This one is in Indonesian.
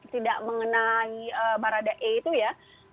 tidak mengenai barada e itu ya